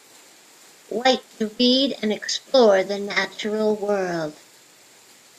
White to read and explore the natural world.